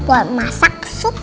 buat masak sup